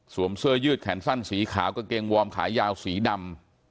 เสื้อยืดแขนสั้นสีขาวกางเกงวอร์มขายาวสีดำ